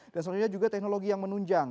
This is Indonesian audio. selanjutnya juga teknologi yang menunjang